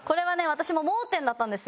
私も盲点だったんですよ。